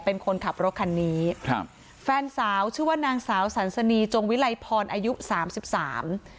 เป็นคนขับรถคันนี้ครับแฟนสาวชื่อว่านางสาวสันสนีจงวิลัยพรอายุสามสิบสาม